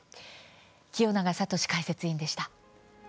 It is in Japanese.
清永聡解説委員でした。